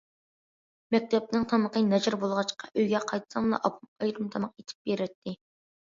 مەكتەپنىڭ تامىقى ناچار بولغاچقا، ئۆيگە قايتساملا ئاپام ئايرىم تاماق ئېتىپ بېرەتتى.